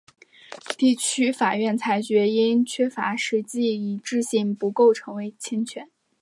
地区法院裁决因缺乏实际一致性而不构成侵权。